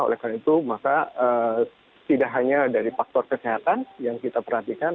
oleh karena itu maka tidak hanya dari faktor kesehatan yang kita perhatikan